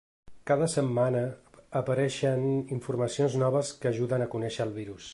Cada setmana apareixen informacions noves que ajuden a conèixer el virus.